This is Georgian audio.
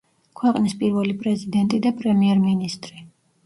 ქვეყნის პირველი პრეზიდენტი და პრემიერ-მინისტრი.